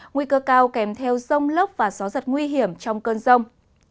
nguy cơ cao kèm theo rông lốc và gió giật nguy hiểm trong cơn rông